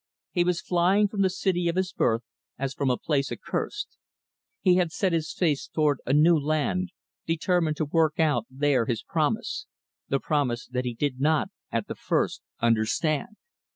He was flying from the city of his birth, as from a place accursed. He had set his face toward a new land determined to work out, there, his promise the promise that he did not, at the first, understand.